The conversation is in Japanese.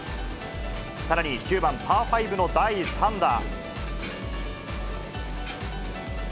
さらに、９番パー５の第３打。